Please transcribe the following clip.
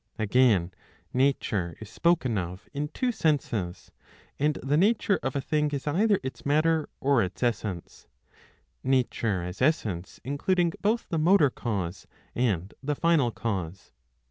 Again, nature is spoken of in two senses, and the nature of a thing is either its matter or its essence ; nature as essence including both the motor cause and the final cause.